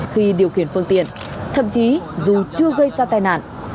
khi điều khiển phương tiện thậm chí dù chưa gây ra tai nạn